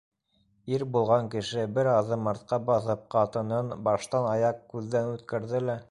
Ир булған кеше бер аҙым артҡа баҫып ҡатынын баштан-аяҡ күҙҙән үткәрҙе лә: